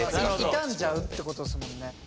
傷んじゃうってことですもんね。